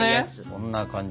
こんな感じ。